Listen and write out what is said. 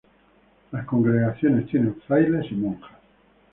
La congregación tiene frailes y monjas.